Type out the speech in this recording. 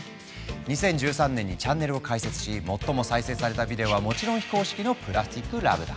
２０１３年にチャンネルを開設し最も再生されたビデオはもちろん非公式の「ＰＬＡＳＴＩＣＬＯＶＥ」だ。